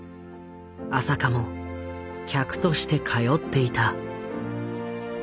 浅香も客として通っていた。